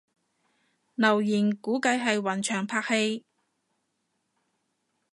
留言估計係雲翔拍戲